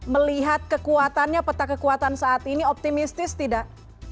melihat kekuatannya peta kekuatan saat ini optimistis tidak